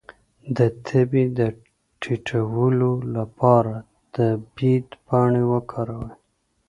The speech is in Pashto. د تبې د ټیټولو لپاره د بید پاڼې وکاروئ